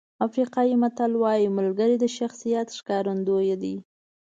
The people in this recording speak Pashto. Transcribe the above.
افریقایي متل وایي ملګري د شخصیت ښکارندوی دي.